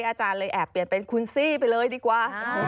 อาจารย์เลยแอบเปลี่ยนเป็นคุณซี่ไปเลยดีกว่า